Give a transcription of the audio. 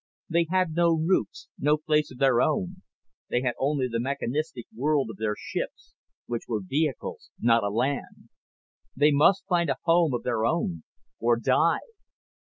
They had no roots, no place of their own. They had only the mechanistic world of their ships which were vehicles, not a land. They must find a home of their own, or die.